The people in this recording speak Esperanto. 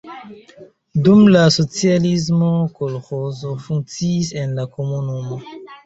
Dum la socialismo kolĥozo funkciis en la komunumo.